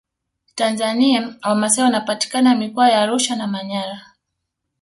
tanzania wamasai wanapatikana mikoa ya arusha na manyara